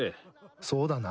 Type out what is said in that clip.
そうだな。